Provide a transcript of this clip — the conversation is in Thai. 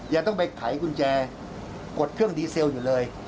ยังต้องไปไขกุญแจกดเครื่องดีเซลอยู่เลย